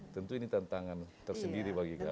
tentu ini tantangan tersendiri bagi kami